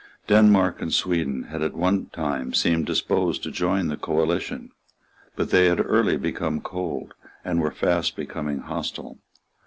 Denmark and Sweden had at one time seemed disposed to join the coalition; but they had early become cold, and were fast becoming hostile.